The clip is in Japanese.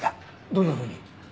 どんなふうに？